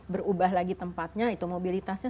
berubah lagi tempatnya itu mobilitasnya